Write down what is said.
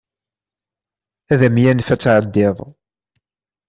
Ad am-yanef ad tɛeddiḍ.